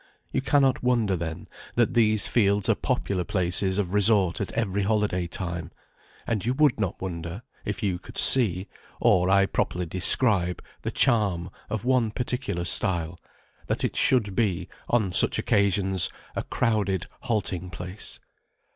You cannot wonder, then, that these fields are popular places of resort at every holiday time; and you would not wonder, if you could see, or I properly describe, the charm of one particular stile, that it should be, on such occasions, a crowded halting place.